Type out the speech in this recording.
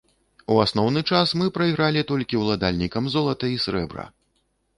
У асноўны час мы прайгралі толькі ўладальнікам золата і срэбра!